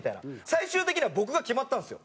最終的には僕が決まったんですよ。